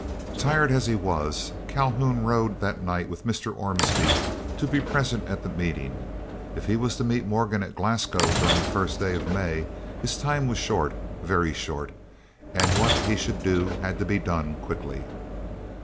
Tired as he was, Calhoun rode that night with Mr. Ormsby to be present at the meeting. If he was to meet Morgan at Glasgow during the first days of May, his time was short, very short, and what he should do had to be done quickly.